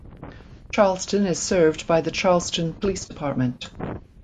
Charleston is served by the Charlestown Police Department.